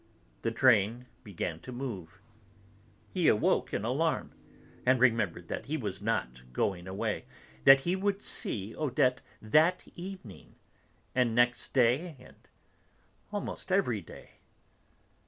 The train began to move; he awoke in alarm, and remembered that he was not going away, that he would see Odette that evening, and next day and almost every day.